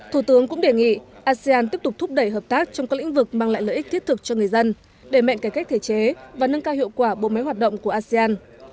thủ tướng cũng đề nghị asean tiếp tục thúc đẩy hợp tác trong các lĩnh vực mang lại lợi ích thiết thực cho người dân để mạnh cải cách thể chế và nâng cao hiệu quả bộ máy hoạt động của asean